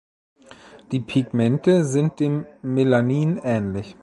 Die Pigmente sind dem Melanin ähnlich.